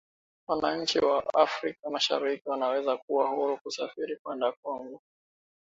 Wananchi wa Afrika Mashariki wanaweza kuwa huru kusafiri kwenda Kongo